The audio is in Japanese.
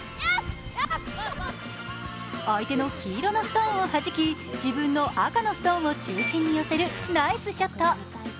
相手の黄色のストーンを弾き自分の赤のストーンを中心に寄せるナイスショット！